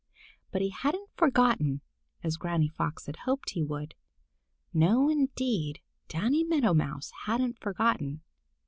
But he hadn't forgotten, as Granny Fox had hoped he would. No, indeed, Danny Meadow Mouse hadn't forgotten.